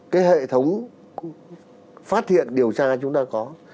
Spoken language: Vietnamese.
cái hệ thống phát hiện điều tra chúng ta có